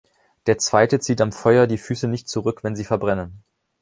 Der zweite zieht am Feuer die Füße nicht zurück, wenn sie verbrennen.